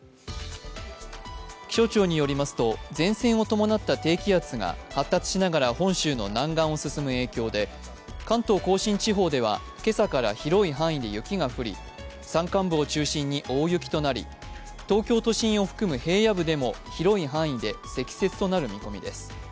気象庁によりますと前線を伴った低気圧が発達しながら本州の南岸を進む影響で関東・甲信地方では今朝から広い範囲で雪が降り山間部を中心に大雪となり、東京都心を含む平野部でも広い範囲で積雪となる見込みです。